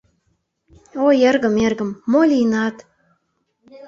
Ой, эргым, эргым, мо лийынат?!